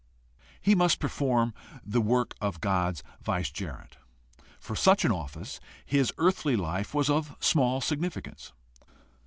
He must perform the work of God's vice gerent. For such an ofiice his earthly life was of small significance.